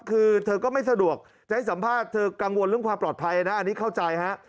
คือเธอก็ไม่สะดวกจะให้สัมภาษณ์เธอกังวลเรื่องความปลอดภัยนะอันนี้เข้าใจฮะ